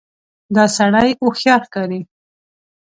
دا سړی هوښیار ښکاري.